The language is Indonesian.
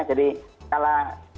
jadi skala sembilan